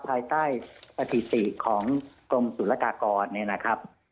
ภายใต้สถิติของกรมสุรกากรนะครับ